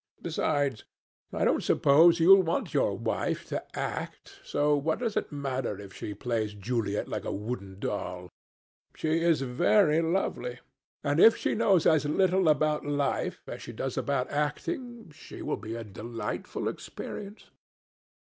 Besides, I don't suppose you will want your wife to act, so what does it matter if she plays Juliet like a wooden doll? She is very lovely, and if she knows as little about life as she does about acting, she will be a delightful experience.